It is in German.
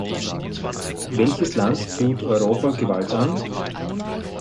Welches Land tut Europa Gewalt an?